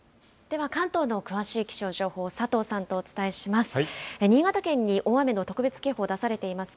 では関東の詳しい気象情報、佐藤さんとお伝えします。